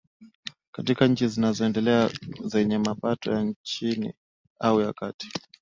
katika nchi zinazoendelea zenye mapato ya chini au ya kati